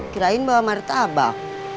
kirain bawa martabak